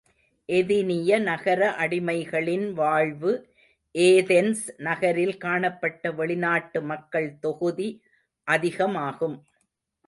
எதினிய நகர அடிமைகளின் வாழ்வு ஏதென்ஸ் நகரில் காணப்பட்ட வெளிநாட்டு மக்கள் தொகுதி அதிகமாகும்.